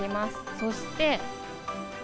そして。